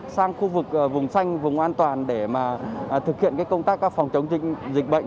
sang khu vực vùng xanh vùng an toàn để mà thực hiện công tác phòng chống dịch bệnh